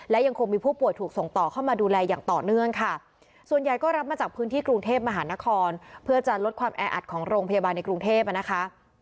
และยังคงมีผู้ป่วยถูกส่งต่อเข้ามาดูแลอย่างต่อเนื่องค่ะส่วนใหญ่ก็รับมาจากพื้นที่กรุงเทพมหานครเพื่อจะลดความแออัดของโรงพยาบาลในกรุงเทพอ่ะนะคะ